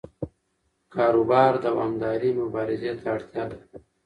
کاروبار دوامدارې مبارزې ته اړتیا لري.